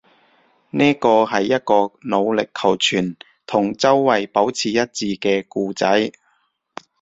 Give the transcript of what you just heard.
呢個係一個努力求存，同周圍保持一致嘅故仔